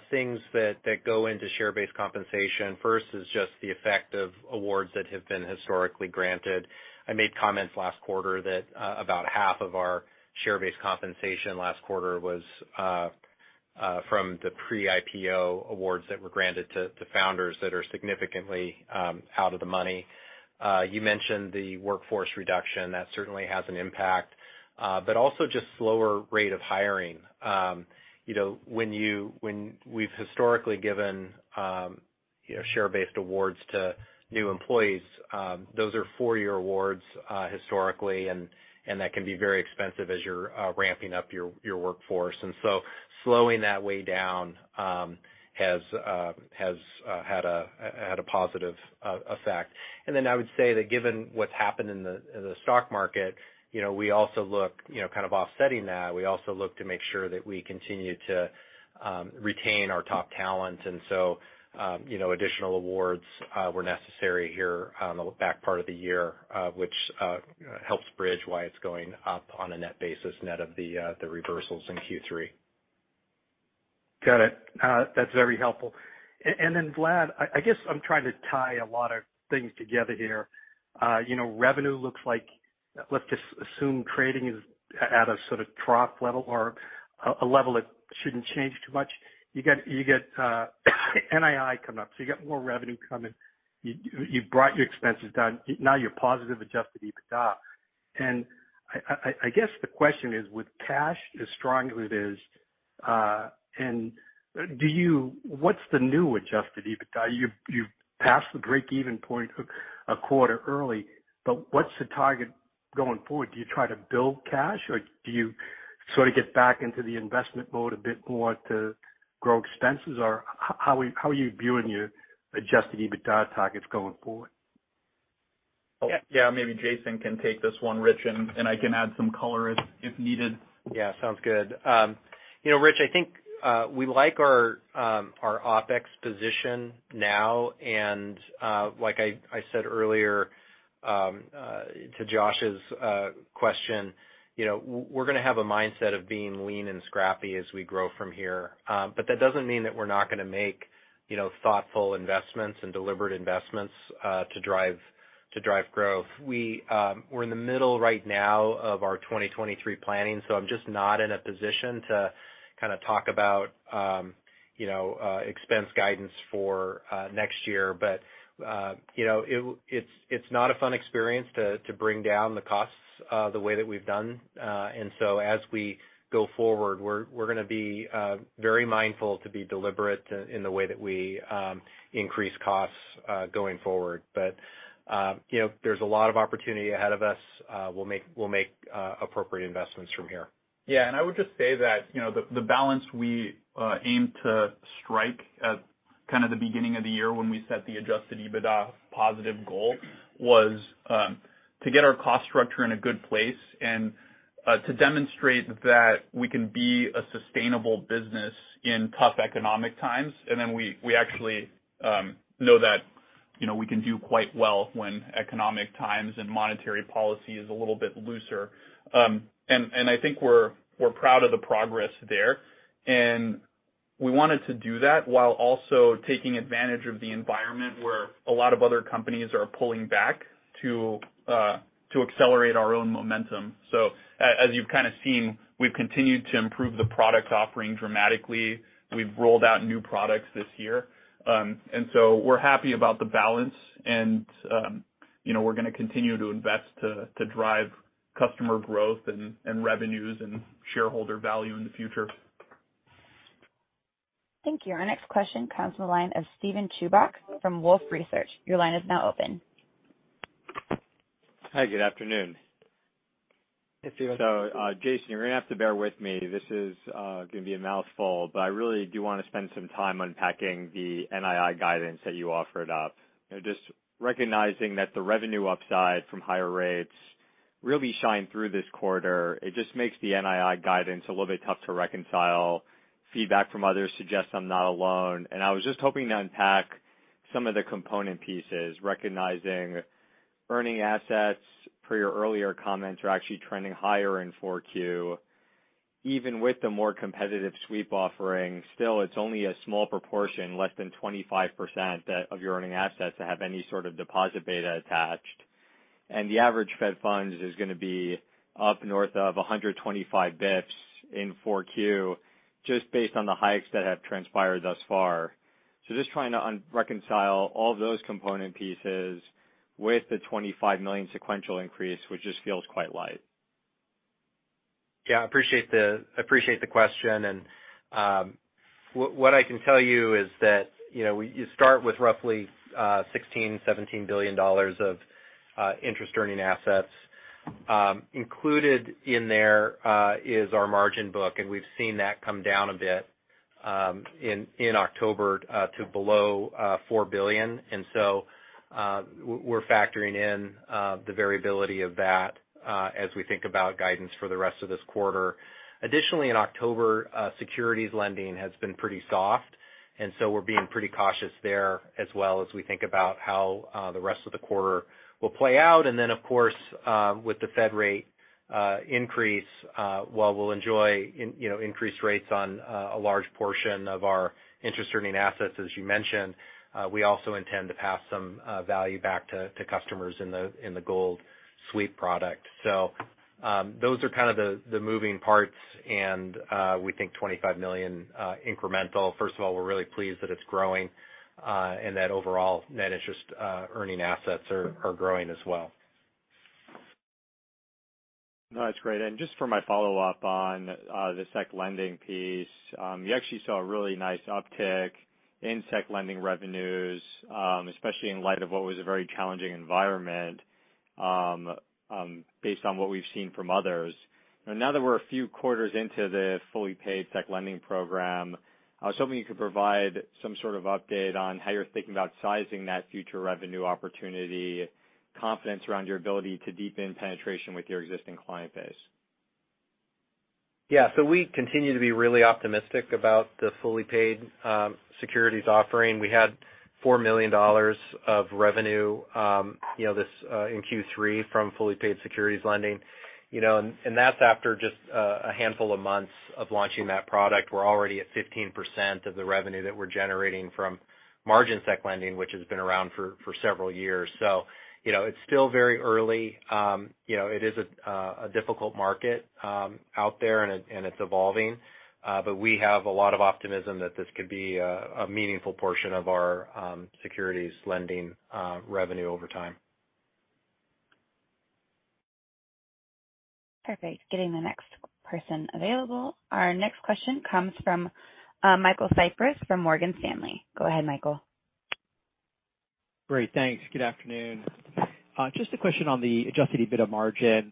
things that go into share-based compensation. First is just the effect of awards that have been historically granted. I made comments last quarter that about half of our share-based compensation last quarter was from the pre-IPO awards that were granted to founders that are significantly out of the money. You mentioned the workforce reduction. That certainly has an impact, but also just slower rate of hiring. You know, when we've historically given, you know, share-based awards to new employees, those are four-year awards, historically, and that can be very expensive as you're ramping up your workforce. Slowing that way down has had a positive effect. I would say that given what's happened in the stock market, you know, kind of offsetting that, we also look to make sure that we continue to retain our top talent. You know, additional awards were necessary here on the back half of the year, which helps bridge why it's going up on a net basis, net of the reversals in Q3. Got it. That's very helpful. Vlad, I guess I'm trying to tie a lot of things together here. You know, revenue looks like, let's just assume trading is at a sort of trough level or a level that shouldn't change too much. You get NII coming up, so you got more revenue coming. You've brought your expenses down. Now you're positive adjusted EBITDA. I guess the question is, with cash as strong as it is, and what's the new adjusted EBITDA? You've passed the break-even point a quarter early, but what's the target going forward? Do you try to build cash, or do you sort of get back into the investment mode a bit more to grow expenses? Or how are you viewing your adjusted EBITDA targets going forward? Yeah, maybe Jason can take this one, Rich, and I can add some color if needed. Yeah, sounds good. You know, Rich, I think we like our OpEx position now. Like I said earlier to Josh's question, you know, we're gonna have a mindset of being lean and scrappy as we grow from here. But that doesn't mean that we're not gonna make you know, thoughtful investments and deliberate investments to drive growth. We're in the middle right now of our 2023 planning, so I'm just not in a position to kinda talk about you know, expense guidance for next year. You know, it's not a fun experience to bring down the costs the way that we've done. As we go forward, we're gonna be very mindful to be deliberate in the way that we increase costs going forward. You know, there's a lot of opportunity ahead of us. We'll make appropriate investments from here. Yeah. I would just say that, you know, the balance we aim to strike at kind of the beginning of the year when we set the adjusted EBITDA positive goal was to get our cost structure in a good place and to demonstrate that we can be a sustainable business in tough economic times. We actually know that, you know, we can do quite well when economic times and monetary policy is a little bit looser. I think we're proud of the progress there. We wanted to do that while also taking advantage of the environment where a lot of other companies are pulling back to accelerate our own momentum. As you've kinda seen, we've continued to improve the product offering dramatically. We've rolled out new products this year. We're happy about the balance, and you know, we're gonna continue to invest to drive Customer growth and revenues and shareholder value in the future. Thank you. Our next question comes from the line of Steven Chubak from Wolfe Research. Your line is now open. Hi, good afternoon. Hey, Steven. Jason, you're gonna have to bear with me. This is gonna be a mouthful, but I really do wanna spend some time unpacking the NII guidance that you offered up. You know, just recognizing that the revenue upside from higher rates really shined through this quarter. It just makes the NII guidance a little bit tough to reconcile. Feedback from others suggests I'm not alone, and I was just hoping to unpack some of the component pieces, recognizing earning assets, per your earlier comments, are actually trending higher in Q4. Even with the more competitive sweep offering, still it's only a small proportion, less than 25%, of your earning assets that have any sort of deposit beta attached. The average Fed funds is gonna be up north of 125 basis points in Q4, just based on the hikes that have transpired thus far. Just trying to reconcile all those component pieces with the $25 million sequential increase, which just feels quite light. Yeah, I appreciate the question. What I can tell you is that you know you start with roughly $16 billion-$17 billion of interest earning assets. Included in there is our margin book, and we've seen that come down a bit in October to below $4 billion. We're factoring in the variability of that as we think about guidance for the rest of this quarter. Additionally, in October, securities lending has been pretty soft, and so we're being pretty cautious there as well as we think about how the rest of the quarter will play out. Of course, with the Fed rate increase, while we'll enjoy, you know, increased rates on a large portion of our interest earning assets, as you mentioned, we also intend to pass some value back to customers in the Gold sweep product. Those are kind of the moving parts, and we think $25 million incremental. First of all, we're really pleased that it's growing, and that overall net interest earning assets are growing as well. No, that's great. Just for my follow-up on the securities lending piece, you actually saw a really nice uptick in securities lending revenues, especially in light of what was a very challenging environment, based on what we've seen from others. Now that we're a few quarters into the fully paid securities lending program, I was hoping you could provide some sort of update on how you're thinking about sizing that future revenue opportunity, confidence around your ability to deepen penetration with your existing client base? Yeah. We continue to be really optimistic about the fully paid securities offering. We had $4 million of revenue, you know, this in Q3 from fully paid securities lending. You know, that's after just a handful of months of launching that product. We're already at 15% of the revenue that we're generating from margin securities lending, which has been around for several years. You know, it's still very early. You know, it is a difficult market out there, and it's evolving, but we have a lot of optimism that this could be a meaningful portion of our securities lending revenue over time. Perfect. Getting the next person available. Our next question comes from Michael Cyprys from Morgan Stanley. Go ahead, Michael. Great. Thanks. Good afternoon. Just a question on the adjusted EBITDA margin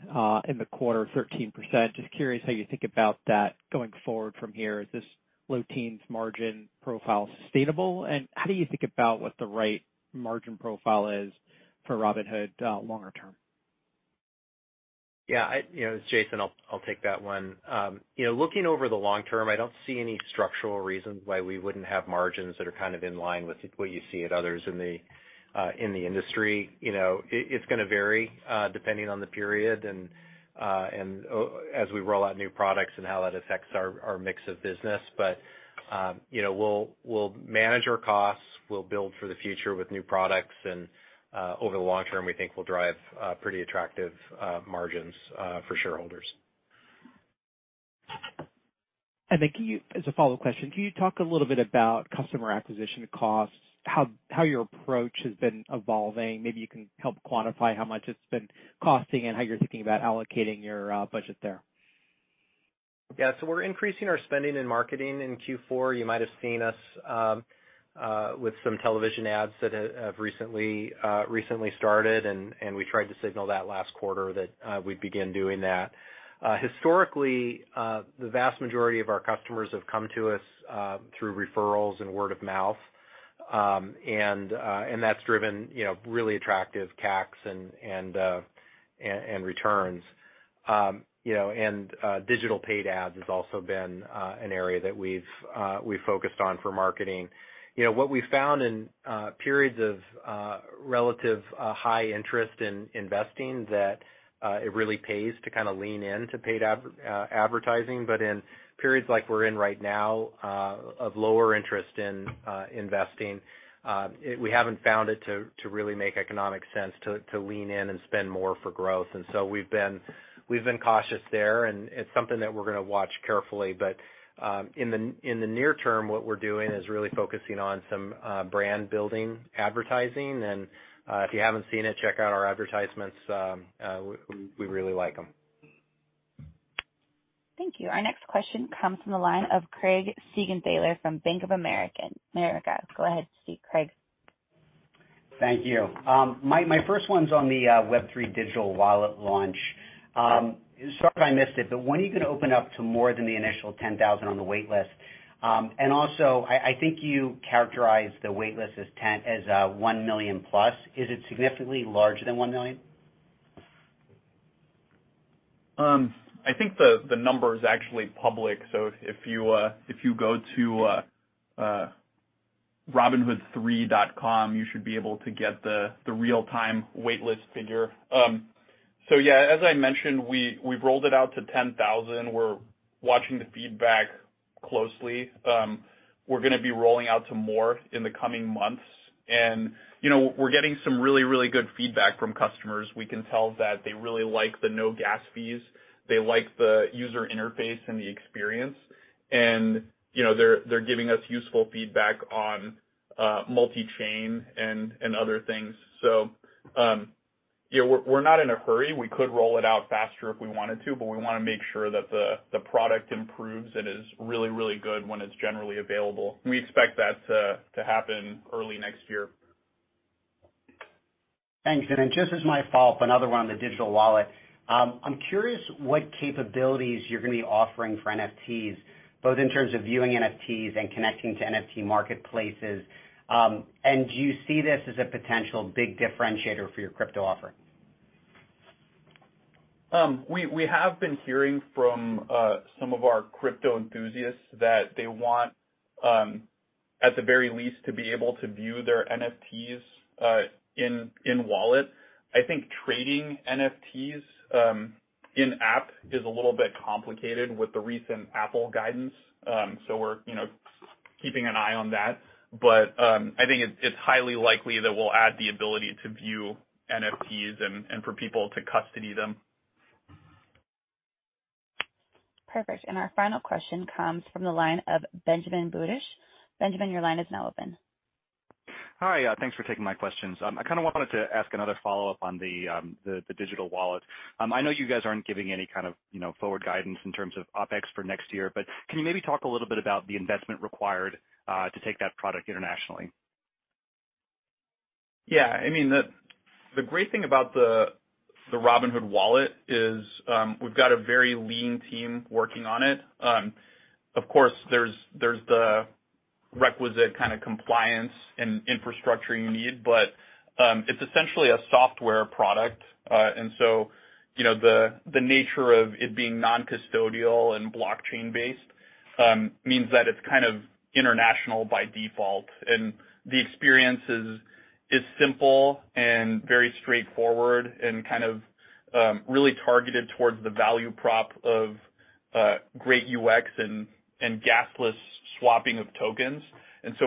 in the quarter, 13%. Just curious how you think about that going forward from here. Is this low teens margin profile sustainable? How do you think about what the right margin profile is for Robinhood longer term? Yeah. You know, it's Jason, I'll take that one. You know, looking over the long term, I don't see any structural reasons why we wouldn't have margins that are kind of in line with what you see at others in the industry. You know, it's gonna vary depending on the period and as we roll out new products and how that affects our mix of business. You know, we'll manage our costs, we'll build for the future with new products, and over the long term, we think we'll drive pretty attractive margins for shareholders. As a follow-up question, can you talk a little bit about customer acquisition costs, how your approach has been evolving? Maybe you can help quantify how much it's been costing and how you're thinking about allocating your budget there? Yeah. We're increasing our spending in marketing in Q4. You might have seen us with some television ads that have recently started, and we tried to signal that last quarter that we'd begin doing that. Historically, the vast majority of our customers have come to us through referrals and word of mouth. And that's driven, you know, really attractive CACs and returns. You know, digital paid ads has also been an area that we've focused on for marketing. You know, what we've found in periods of relative high interest in investing that it really pays to kinda lean in to paid advertising. In periods like we're in right now, of lower interest in investing, we haven't found it to really make economic sense to lean in and spend more for growth. We've been cautious there, and it's something that we're gonna watch carefully. In the near term, what we're doing is really focusing on some brand building advertising. If you haven't seen it, check out our advertisements. We really like them. Thank you. Our next question comes from the line of Craig Siegenthaler from Bank of America. Go ahead to speak, Craig. Thank you. My first one's on the Web3 digital wallet launch. Sorry if I missed it, but when are you gonna open up to more than the initial 10,000 on the waitlist? I think you characterized the waitlist as 1 million plus. Is it significantly larger than 1 million? I think the number is actually public, so if you go to robinhood3.com, you should be able to get the real-time waitlist figure. Yeah, as I mentioned, we've rolled it out to 10,000. We're watching the feedback closely. We're gonna be rolling out to more in the coming months. You know, we're getting some really good feedback from customers. We can tell that they really like the no-gas fees. They like the user interface and the experience. You know, they're giving us useful feedback on multichain and other things. Yeah, we're not in a hurry. We could roll it out faster if we wanted to, but we wanna make sure that the product improves and is really good when it's generally available. We expect that to happen early next year. Thanks. Just as my follow-up, another one on the digital wallet. I'm curious what capabilities you're gonna be offering for NFTs, both in terms of viewing NFTs and connecting to NFT marketplaces. Do you see this as a potential big differentiator for your crypto offering? We have been hearing from some of our crypto enthusiasts that they want, at the very least, to be able to view their NFTs in wallet. I think trading NFTs in app is a little bit complicated with the recent Apple guidance, so we're, you know, keeping an eye on that. I think it's highly likely that we'll add the ability to view NFTs and for people to custody them. Perfect. Our final question comes from the line of Benjamin Budish. Benjamin, your line is now open. Hi, thanks for taking my questions. I kind of wanted to ask another follow-up on the digital wallet. I know you guys aren't giving any kind of, you know, forward guidance in terms of OpEx for next year, but can you maybe talk a little bit about the investment required to take that product internationally? Yeah, I mean, the great thing about the Robinhood Wallet is we've got a very lean team working on it. Of course, there's the requisite kind of compliance and infrastructure you need, but it's essentially a software product. You know, the nature of it being non-custodial and blockchain-based means that it's kind of international by default. The experience is simple and very straightforward and kind of really targeted towards the value prop of great UX and gasless swapping of tokens.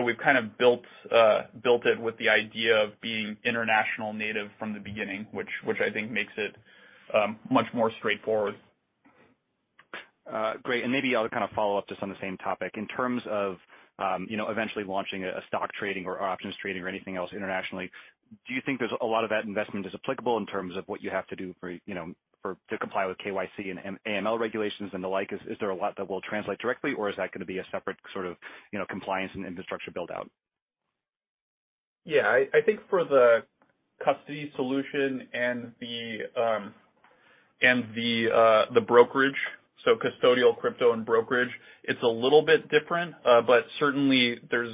We've kind of built it with the idea of being international native from the beginning, which I think makes it much more straightforward. Great. Maybe I'll kind of follow up just on the same topic. In terms of, you know, eventually launching a stock trading or options trading or anything else internationally, do you think there's a lot of that investment is applicable in terms of what you have to do for, you know, for to comply with KYC and AML regulations and the like? Is there a lot that will translate directly, or is that gonna be a separate sort of, you know, compliance and infrastructure build-out? Yeah. I think for the custody solution and the brokerage, so custodial crypto and brokerage, it's a little bit different, but certainly there's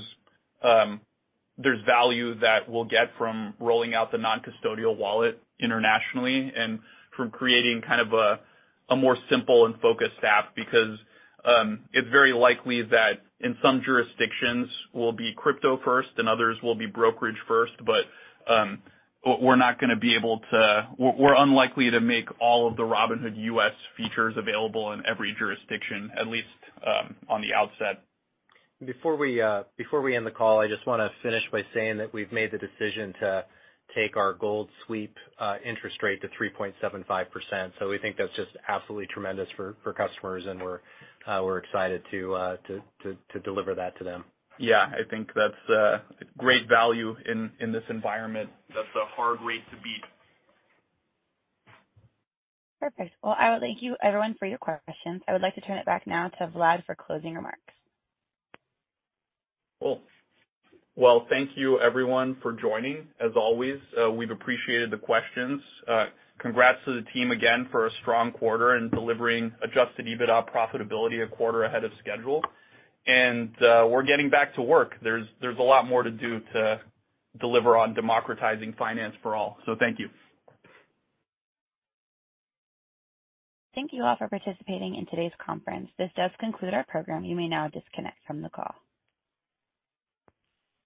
value that we'll get from rolling out the non-custodial wallet internationally and from creating kind of a more simple and focused app because it's very likely that in some jurisdictions we'll be crypto first and others will be brokerage first. We're not gonna be able to. We're unlikely to make all of the Robinhood U.S. features available in every jurisdiction, at least on the outset. Before we end the call, I just wanna finish by saying that we've made the decision to take our Gold sweep interest rate to 3.75%. We think that's just absolutely tremendous for customers, and we're excited to deliver that to them. Yeah, I think that's great value in this environment. That's a hard rate to beat. Perfect. Well, I would thank you, everyone, for your questions. I would like to turn it back now to Vlad for closing remarks. Cool. Well, thank you everyone for joining as always. We've appreciated the questions. Congrats to the team again for a strong quarter and delivering adjusted EBITDA profitability a quarter ahead of schedule. We're getting back to work. There's a lot more to do to deliver on democratizing finance for all. Thank you. Thank you all for participating in today's conference. This does conclude our program. You may now disconnect from the call.